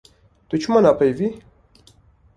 Tu çima napeyivî.